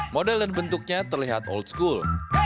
model dan bentuknya terlihat old school